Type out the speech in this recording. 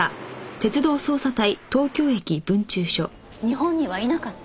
日本にはいなかった？